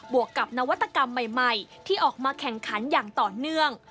วกกับนวัตกรรมใหม่ที่ออกมาแข่งขันอย่างต่อเนื่อง